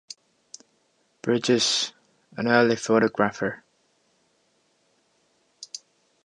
Bridges, an early photographer.